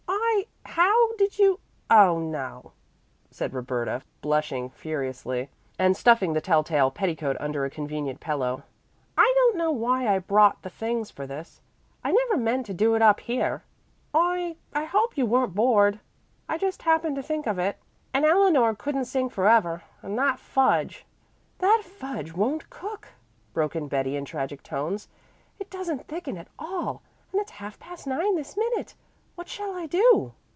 "I how did you oh, no," said Roberta, blushing furiously, and stuffing the telltale petticoat under a convenient pillow. "I don't know why I brought the things for this. I never meant to do it up here. I I hope you weren't bored. I just happened to think of it, and Eleanor couldn't sing forever, and that fudge " "That fudge won't cook," broke in Betty in tragic tones. "It doesn't thicken at all, and it's half past nine this minute. What shall I do?"